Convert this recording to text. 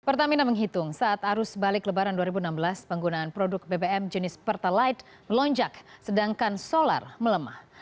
pertamina menghitung saat arus balik lebaran dua ribu enam belas penggunaan produk bbm jenis pertalite melonjak sedangkan solar melemah